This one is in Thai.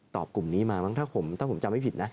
กลุ่มนี้มามั้งถ้าผมจำไม่ผิดนะ